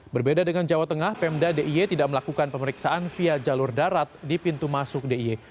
berbeda dengan jawa tengah pemda d i e tidak melakukan pemeriksaan via jalur darat di pintu masuk d i e